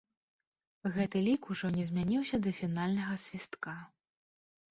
Гэты лік ужо не змяніўся да фінальнага свістка.